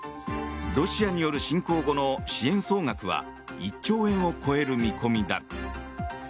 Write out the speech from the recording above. ロシア侵攻後の支援総額は１兆円を超える見込みだ。